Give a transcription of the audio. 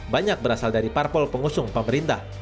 banyak berasal dari parpol pengusung pemerintah